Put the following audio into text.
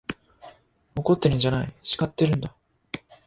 怒ってるんじゃない、叱ってるんだ。